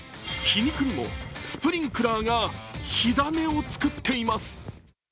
皮肉にもスプリンクラーが火種を作っています。